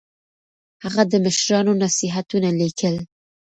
هغه د مشرانو نصيحتونه ليکل.